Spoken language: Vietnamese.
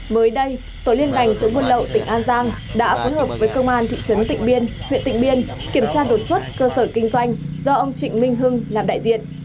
mới đây tổ liên bành chống buôn lậu tỉnh an giang đã phối hợp với công an thị trấn tịnh biên huyện tịnh biên kiểm tra đột xuất cơ sở kinh doanh do ông trịnh minh hưng làm đại diện